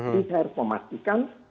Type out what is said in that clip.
jadi saya harus memastikan